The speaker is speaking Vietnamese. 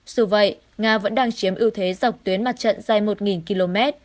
dù vậy nga vẫn đang chiếm ưu thế dọc tuyến mặt trận dài một km